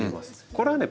これはね